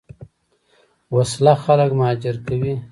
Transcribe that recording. وسله خلک مهاجر کوي